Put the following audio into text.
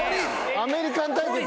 アメリカン対決。